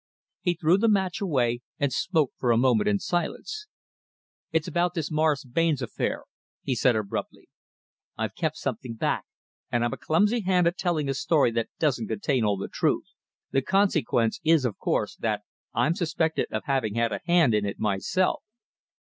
He threw the match away and smoked for a moment in silence. "It's about this Morris Barnes affair," he said abruptly. "I've kept something back, and I'm a clumsy hand at telling a story that doesn't contain all the truth. The consequence is, of course, that I'm suspected of having had a hand in it myself."